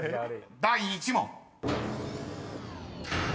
第１問］